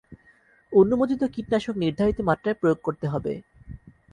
অনুমোদিত কীটনাশক নির্ধারিত মাত্রায় প্রয়োগ করতে হবে।